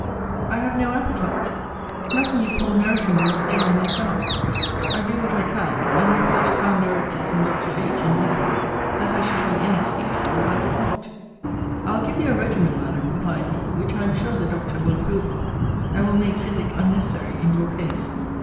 I have no appetite. Nothing you call nourishing will stay on my stomach. I do what I can: and have such kind directors in Dr. H. and you, that I should be inexcusable if I did not. I'll give you a regimen, Madam, replied he; which, I am sure, the doctor will approve of, and will make physic unnecessary in your case.